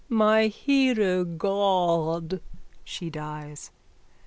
_ My hero god! _(She dies.)